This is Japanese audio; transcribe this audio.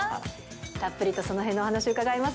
たっぷりとそのへんのお話伺います。